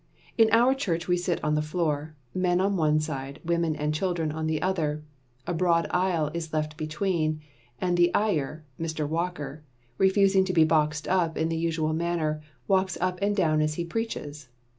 In our church we sit on the floor, men on one side, women and children on the other. A broad aisle is left between, and the Iyer (Mr. Walker), refusing to be boxed up in the usual manner, walks up and down as he preaches.